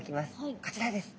こちらです。